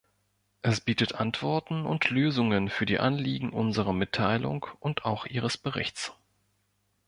Es bietet Antworten und Lösungen für die Anliegen unserer Mitteilung und auch Ihres Berichts.